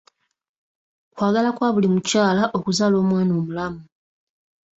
Kwagala kwa buli mukyala okuzaala omwana omulamu.